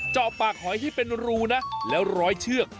เจาะปากหอยให้เป็นรูนะแล้วร้อยเชือก